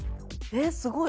えっすごい！